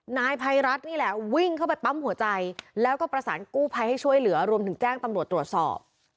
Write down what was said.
นายภัยรัฐนี่แหละวิ่งเข้าไปปั๊มหัวใจแล้วก็ประสานกู้ภัยให้ช่วยเหลือรวมถึงแจ้งตำรวจตรวจสอบ